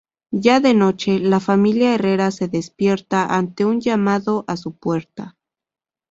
Ya de noche, la familia Herrera se despierta ante un llamado a su puerta.